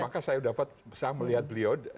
maka saya dapat saya melihat beliau